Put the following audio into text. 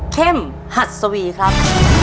เข้มหัดสวีครับ